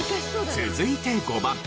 続いて５番。